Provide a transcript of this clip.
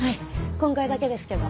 今回だけですけど。